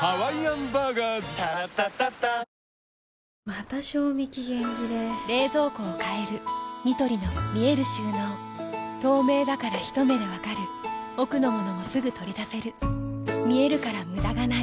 また賞味期限切れ冷蔵庫を変えるニトリの見える収納透明だからひと目で分かる奥の物もすぐ取り出せる見えるから無駄がないよし。